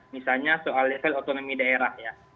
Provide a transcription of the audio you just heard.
misalnya soal level otonomi daerah ya